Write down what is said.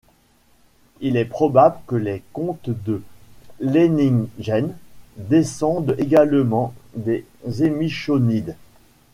Il est probable que les comtes de Leiningen descendent également des Émichonides.